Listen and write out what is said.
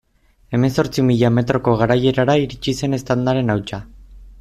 Hemezortzi mila metroko garaierara iritsi zen eztandaren hautsa.